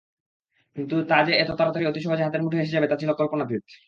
কিন্তু তা যে এত তাড়াতাড়ি অতি সহজে হাতের মুঠোয় এসে যাবে তা ছিল কল্পনাতীত।